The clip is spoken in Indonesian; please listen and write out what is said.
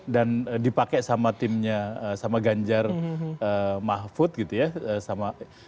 dan dipakai sama timnya sama ganjar mahfud gitu ya